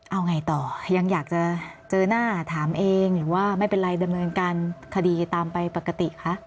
เอาไงต่อยังอยากจะเจอหน้าถามเองหรือว่าไม่เป็นไรดำเนินการคดีตามไปปกติคะ